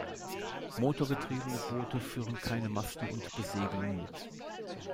Motorgetriebene Boote führen keine Masten und Besegelung mit.